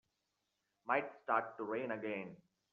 Might start to rain again.